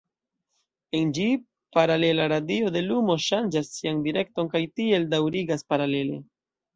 En ĝi, paralela radio de lumo ŝanĝas sian direkton kaj tiel daŭrigas paralele.